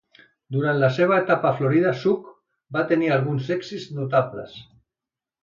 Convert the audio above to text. Durant la seva etapa a Florida, Zook va tenir alguns èxits notables.